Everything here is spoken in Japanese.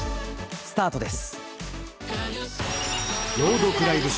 スタートです！